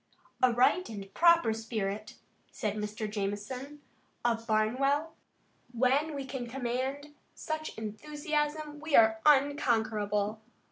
"A right and proper spirit," said Mr. Jamison, of Barnwell. "When we can command such enthusiasm we are unconquerable.